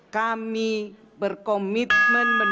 kami berkomitmen menurunkan kemiskinan